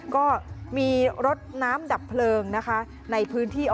ก็มีรถน้ำดับเพลิงนะคะในพื้นที่